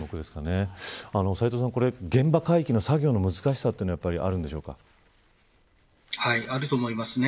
斎藤さん、これ現場海域の作業の難しさはあると思いますね。